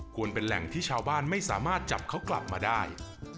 เป็นแหล่งที่ชาวบ้านไม่สามารถจับเขากลับมาได้